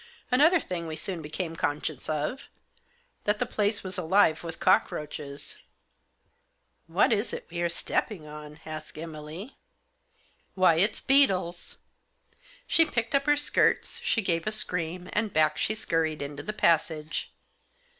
Another thing we soon became conscious of — that the place was alive with cock roaches. " What is it we are stepping on ?" asked Emily. ENTERING INTO POSSESSION. 61 Why, it's beetles." She picked up her skirts, she gave a scream, and back she scurried into the passage.